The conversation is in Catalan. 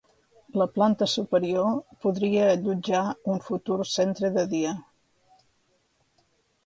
La planta superior podria allotjar un futur centre de dia.